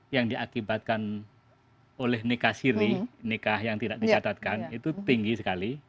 yang diakibatkan oleh nikah siri nikah yang tidak dicatatkan itu tinggi sekali